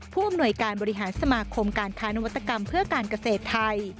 ผู้อำนวยการบริหารสมาคมการค้านวัตกรรมเพื่อการเกษตรไทย